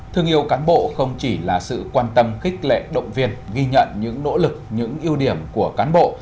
thương yêu cán bộ không chỉ là sự quan tâm khích lệ động viên ghi nhận những nỗ lực những ưu điểm của cán bộ